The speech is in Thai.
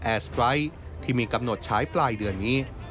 แอร์สไตร์ที่มีกำหนดช้ายปลายเดือนนี้